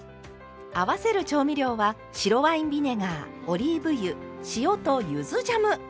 合わせる調味料は白ワインビネガーオリーブ油塩とゆずジャム！